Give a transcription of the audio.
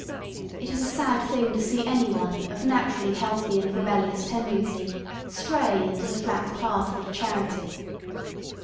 It is a sad thing to see any one of naturally healthy and rebellious tendency stray into the flat path of Charity.